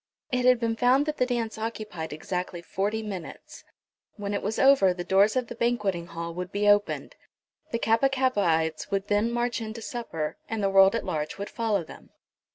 It had been found that the dance occupied exactly forty minutes. When it was over the doors of the banquetting hall would be opened. The Kappa kappaites would then march into supper, and the world at large would follow them.